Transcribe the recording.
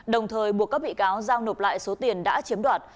đồng thời buộc các bị cáo giao nộp lại số tiền đã chiếm đoạt